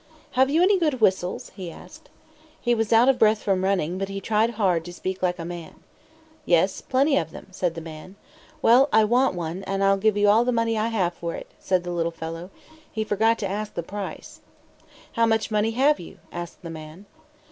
"Have you any good whistles?" he asked. He was out of breath from running, but he tried hard to speak like a man. "Yes, plenty of them," said the man. "Well, I want one, and I'll give you all the money I have for it," said the little fellow. He forgot to ask the price. "How much money have you?" asked the man.